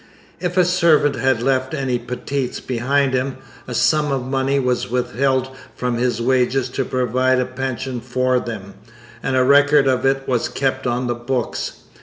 If a servant had left any 'petits' behind him, a sum of money was withheld from his wages to provide a pension for them, and a record of it was kept on the books.